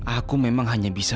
aku memang hanya bisa